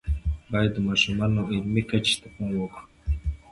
باید د ماشومانو علمی کچې ته پام وکړو.